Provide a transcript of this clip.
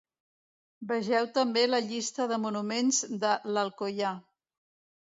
Vegeu també la llista de monuments de l'Alcoià.